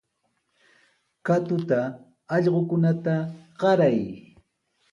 Katuta allqukunata qaray.